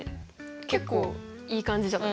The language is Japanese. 結構いい感じじゃない？